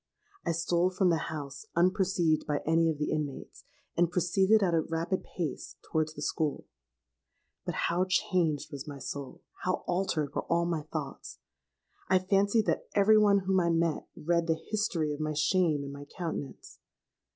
I stole from the house, unperceived by any of the inmates, and proceeded at a rapid pace towards the school. But how changed was my soul—how altered were all my thoughts! I fancied that every one whom I met, read the history of my shame in my countenance!